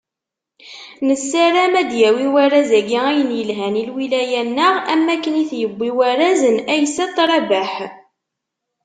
Nessarem ad d-yawi warraz-agi ayen yelhan i lwilaya-nneɣ, am wakken i t-yewwi warraz n Aysat Rabaḥ.